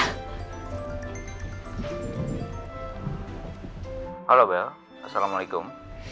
halo bel assalamualaikum